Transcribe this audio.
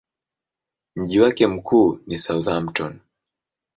Mji wake mkuu ni Southampton.